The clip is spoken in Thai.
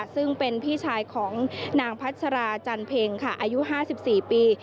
ซึ่งเป็นพี่ชายของนางพัชราจันเพ็งค่ะอายุ๕๔ปี